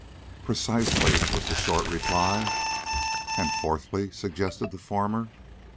"Precisely," was the short reply. "And fourthly?" suggested the former.